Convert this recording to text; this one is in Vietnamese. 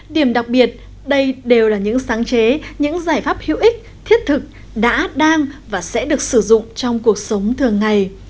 điểm đặc biệt đây đều là những sáng chế những giải pháp hữu ích thiết thực đã đang và sẽ được sử dụng trong cuộc sống thường ngày